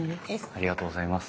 ありがとうございます。